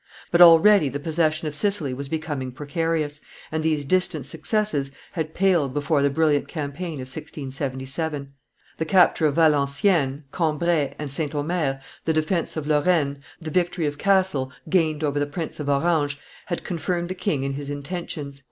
But already the possession of Sicily was becoming precarious, and these distant successes had paled before the brilliant campaign of 1677; the capture of Valenciennes, Cambrai, and St. Omer, the defence of Lorraine, the victory of Cassel, gained over the Prince of Orange, had confirmed the king in his intentions.